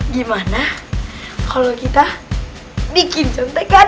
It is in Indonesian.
gimana kalau kita bikin centekan